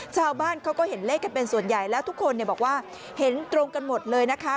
ชาวบ้านเขาก็เห็นเลขกันเป็นส่วนใหญ่แล้วทุกคนบอกว่าเห็นตรงกันหมดเลยนะคะ